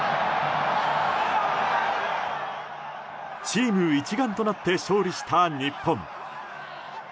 チーム一丸となって勝利した日本。